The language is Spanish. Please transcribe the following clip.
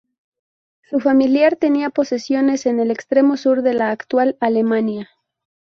Su familia tenía posesiones en el extremo sur de la actual Alemania.